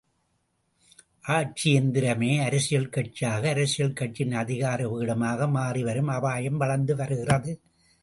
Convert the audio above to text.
ஆட்சி எந்திரமே அரசியல் கட்சியாக அரசியல் கட்சியின் அதிகார பீடமாக மாறிவரும் அபாயம் வளர்ந்து வருகிறது.